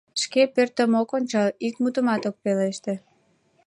Шке Пӧтырым ок ончал, ик мутымат ок пелеште...